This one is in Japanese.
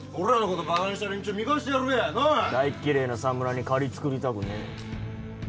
大っ嫌えな侍に借り作りたくねえ。